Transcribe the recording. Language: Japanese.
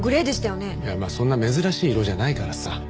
いやまあそんな珍しい色じゃないからさ。